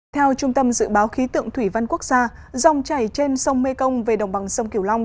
theo trung tâm dự báo khí tượng thủy văn quốc gia dòng chảy trên sông mê công về đồng bằng sông kiều long